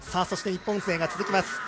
そして、日本勢が続きます